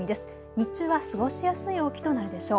日中は過ごしやすい陽気となるでしょう。